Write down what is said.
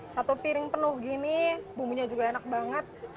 satu piring penuh gini bumbunya juga enak banget